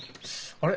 あれ？